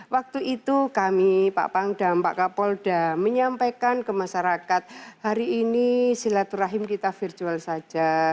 waktu itu kami pak pangdam pak kapolda menyampaikan ke masyarakat hari ini silaturahim kita virtual saja